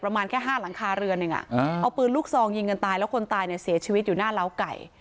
ประมาณแค่๕หลังคาเรือนหนึ่งเอาปืนลูกซองยิงกันตายแล้วคนตายเนี่ยเสียชีวิตอยู่หน้าล้าวไก่